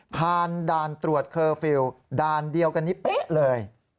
ผ่านด่านตรวจเคอร์ฟิลล์ด่านเดียวกันนี้เป๊ะเลย